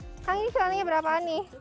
sekarang ini selanjutnya berapaan nih